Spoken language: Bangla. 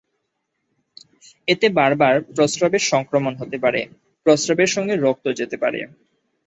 এতে বারবার প্রস্রাবে সংক্রমণ হতে পারে, প্রস্রাবের সঙ্গে রক্ত যেতে পারে।